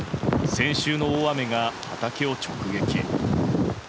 先週の大雨が畑を直撃。